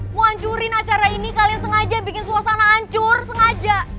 mau hancurin acara ini kalian sengaja bikin suasana hancur sengaja